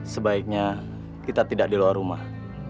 sebaiknya kita tidak di luar rumah